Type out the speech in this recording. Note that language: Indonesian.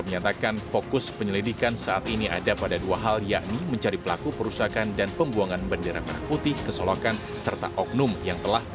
ya oke terima kasih